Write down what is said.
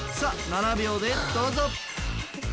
７秒でどうぞ。